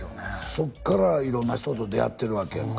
そっから色んな人と出会ってるわけやん